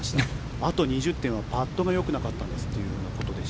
あと２０点はパットがよくなかったということです。